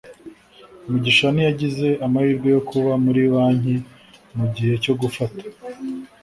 mugisha ntiyagize amahirwe yo kuba muri banki mugihe cyo gufata